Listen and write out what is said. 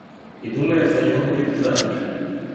І думаєш за його вийти заміж?